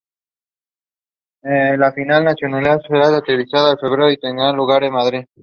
La final nacional será televisada en febrero y tendrá lugar en Madrid.